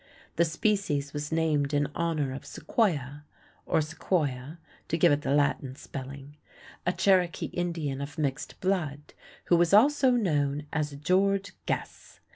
The species was named in honor of Sequoyah, or Sequoia, to give it the Latin spelling, a Cherokee Indian of mixed blood, who was also known as George Guess.